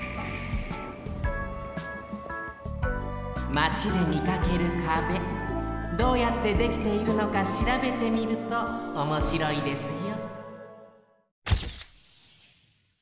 マチでみかける壁どうやってできているのかしらべてみるとおもしろいですよ